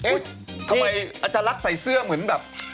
เอ๊ะทำไมอาจารักษ์ใส่เสื้อเหมือนแบบ